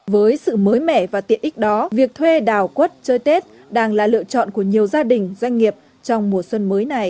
với sự mới mẻ và tiện ích đó việc thuê đào quất chơi tết đang là lựa chọn của nhiều gia đình doanh nghiệp trong mùa xuân mới này